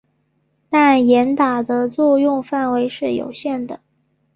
但严打的作用范围是有限的。